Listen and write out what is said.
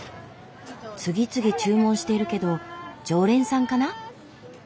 次々注文してるけど常連さんかな？